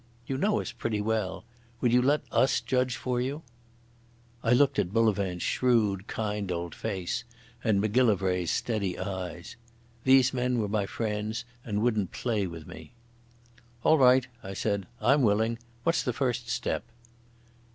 You know us pretty well. Will you let us judge for you?" I looked at Bullivant's shrewd, kind old face and Macgillivray's steady eyes. These men were my friends and wouldn't play with me. "All right," I said. "I'm willing. What's the first step?"